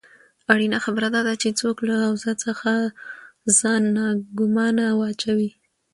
اړینه خبره داده چې څوک له اوضاع څخه ځان ناګومانه واچوي.